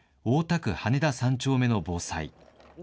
大田区羽田３丁目の防災。